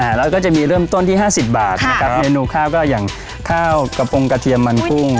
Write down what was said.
แล้วก็จะมีเริ่มต้นที่ห้าสิบบาทนะครับเมนูข้าวก็อย่างข้าวกระพงกระเทียมมันกุ้ง